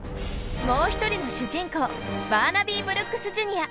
もう一人の主人公バーナビー・ブルックスＪｒ．。